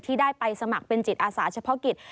ได้ไปสมัครเป็นจิตอาสาเฉพาะกิจ